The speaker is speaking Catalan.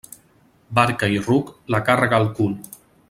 Barca i ruc, la càrrega al cul.